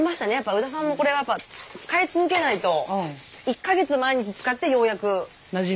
宇田さんもこれはやっぱ使い続けないと１か月毎日使ってようやくなじむって言ってましたね。